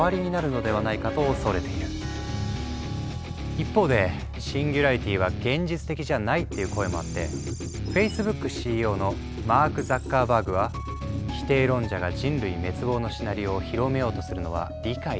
一方でシンギュラリティは現実的じゃないっていう声もあってフェイスブックＣＥＯのマーク・ザッカーバーグは「否定論者が人類滅亡のシナリオを広めようとするのは理解できない」と発言。